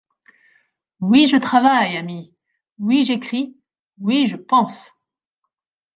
Oui, je travaille, amis ! oui, j'écris ! oui, je pense !